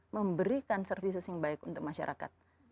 memberikan services yang baik untuk masyarakat